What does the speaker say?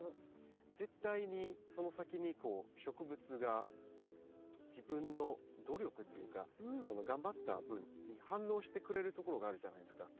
絶対にその先に植物が自分の努力っていうか頑張った分に反応してくれるところがあるじゃないですか。